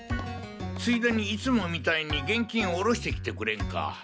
ついでにいつもみたいに現金おろしてきてくれんか？